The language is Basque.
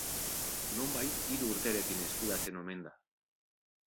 Nonbait hiru urterekin eskuratzen omen da.